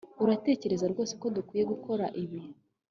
Uratekereza rwose ko dukwiye gukora ibi